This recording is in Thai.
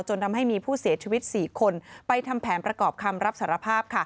จนทำให้มีผู้เสียชีวิต๔คนไปทำแผนประกอบคำรับสารภาพ